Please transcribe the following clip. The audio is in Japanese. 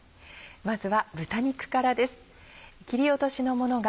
まずは豚肉からです。